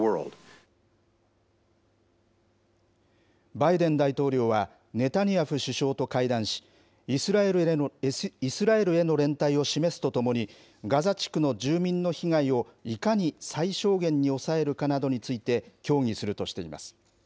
バイデン大統領は、ネタニヤフ首相と会談し、イスラエルへの連帯を示すとともに、ガザ地区の住民の被害をいかに最小限に抑えるかなどについて協議するとしています。